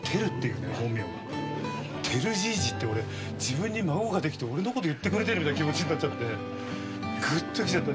「てるじいじ」って俺自分に孫ができて俺の事言ってくれてるみたいな気持ちになっちゃってグッときちゃった。